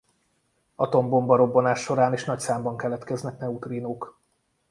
Atombomba-robbanás során is nagy számban keletkeznek neutrínók.